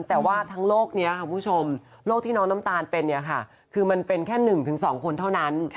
แต่ว่าทั้งโรคนี้ครับผู้ชมโรคที่น้องน้ำตาลเป็นคือมันเป็นแค่๑๒คนเท่านั้น